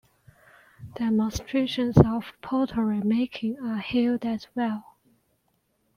Demonstrations of pottery making are held as well.